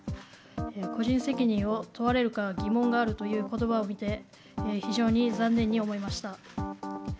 個人責任を問われるか疑問があるということばを見て、非常に残念に思いました。